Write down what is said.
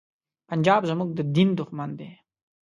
پنجاب زمونږ د دین دښمن دی.